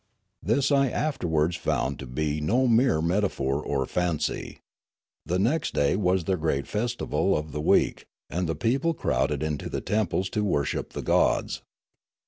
This I afterwards found was no mere metaphor or fancy. The next day was their great festival of the week, and the people crowded into the temples to wor ship the gods.